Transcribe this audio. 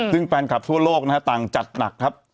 ซึ่งแฟนคลับทั่วโลกนะฮะต่างจัดหนักครับ